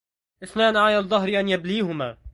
إثنان أعيا الدهر أن يبليهما